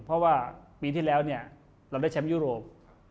เพราะว่าปีที่แล้วเนี่ยเราได้แชมป์ยุโรป